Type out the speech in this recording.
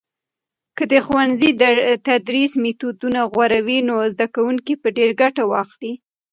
که د ښوونځي تدریس میتودونه غوره وي، نو زده کوونکي به ډیر ګټه واخلي.